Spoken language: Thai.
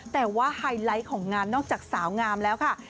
แต่ว่าไฮไลท์ของงานนอกจากสาวงามแล้วค่ะ